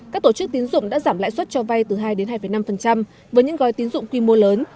các tổ chức tín dụng đã giảm lãi suất cho vay từ hai hai năm với những gói tín dụng quy mô lớn